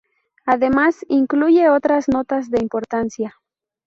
Además, incluye otras notas de importancia.